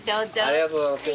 ありがとうございます。